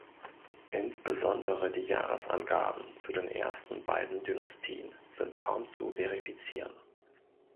Insbesondere die Jahresangaben zu den ersten beiden Dynastien sind kaum zu verifizieren.